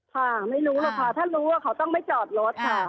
ค่ะไม่รู้หรอกค่ะถ้ารู้ว่าเขาต้องไม่จอดรถค่ะ